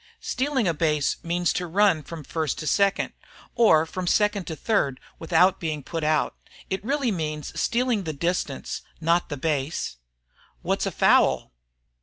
"Stealing a base means to run from first to second, or from second to third, without being put out. It really means stealing the distance, not the base." "What's a foul?"